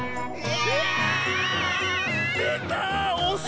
え？